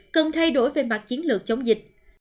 cần thay đổi về mặt chiến lược chống dịch